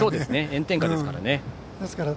炎天下ですからね。